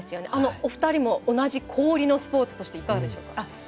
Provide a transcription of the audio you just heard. お二人も同じ氷のスポーツとしてどうでしょうか。